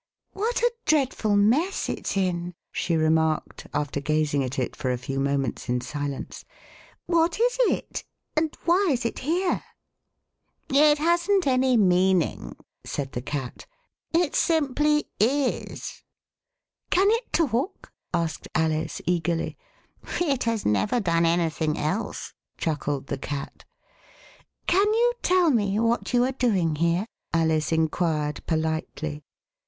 What a dreadful mess it s in !" she remarked, after gazing at it for a few moments in silence. What is it, and why is it here ?"It hasn't any meaning," said the Cat, it simply w." Can it talk ?" asked Alice eagerly. "It has never done anything else," chuckled the Cat. Can you tell me what you are doing here ?" Alice inquired politely.